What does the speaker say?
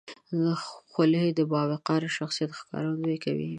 خولۍ د باوقاره شخصیت ښکارندویي کوي.